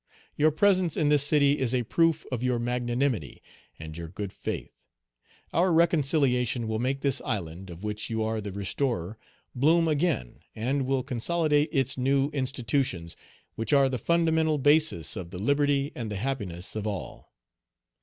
Your presence in this city is a proof of your magnanimity and your good faith. Our reconciliation will make this island, of which you are the restorer, bloom again; and will consolidate its new institutions, which are the fundamental basis of the liberty and the happiness of all."